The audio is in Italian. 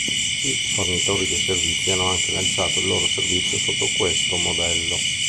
I fornitori dei servizi hanno anche lanciato il loro servizio sotto questo modello.